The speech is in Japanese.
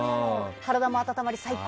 体も温まり最高！